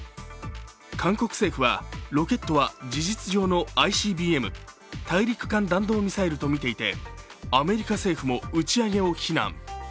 韓国政府はロケットは事実上のＩＣＢＭ＝大陸間弾道ミサイルとみていて、アメリカ政府も打ち上げを非難。